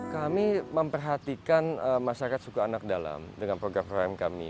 kami memperhatikan masyarakat suku anak dalam dengan program program kami